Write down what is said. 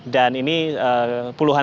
dan ini puluhan